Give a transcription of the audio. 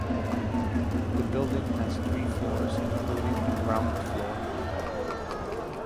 The building has three floors (including the ground floor).